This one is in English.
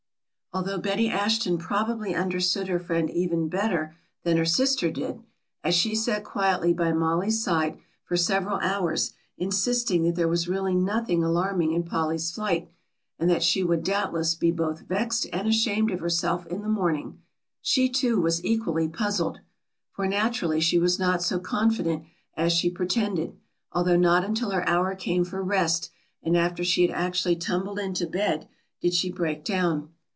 Although Betty Ashton probably understood her friend even better than her sister did, as she sat quietly by Mollie's side for several hours insisting that there was really nothing alarming in Polly's flight and that she would doubtless be both vexed and ashamed of herself in the morning, she too was equally puzzled. For naturally she was not so confident as she pretended, although not until her hour came for rest and after she had actually tumbled into bed did she break down.